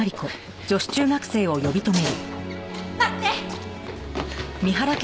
待って！